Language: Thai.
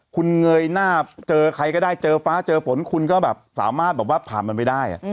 คุณเงยหน้าเจอใครก็ได้เจอฟ้าเจอฝนคุณก็แบบสามารถแบบว่าผ่านมันไปได้